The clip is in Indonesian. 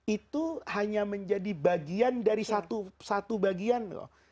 itu hanya menjadi bagian dari satu bagian loh